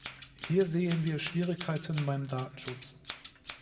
Hier sehen wir Schwierigkeiten beim Datenschutz.